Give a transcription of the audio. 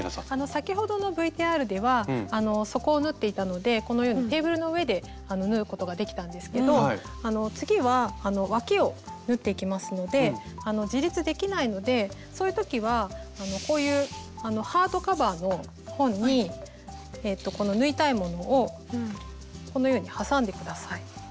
先ほどのＶＴＲでは底を縫っていたのでこのようにテーブルの上で縫うことができたんですけど次はわきを縫っていきますので自立できないのでそういう時はこういうハードカバーの本にこの縫いたいものをこのように挟んで下さい。